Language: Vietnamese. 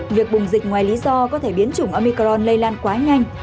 việc bùng dịch ngoài lý do có thể biến chủng omicron lây lan quá nhanh